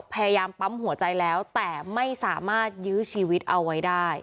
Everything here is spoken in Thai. พยายามปั๊มหัวใจแล้วแต่ไม่สามารถยื้อชีวิตเอาไว้ได้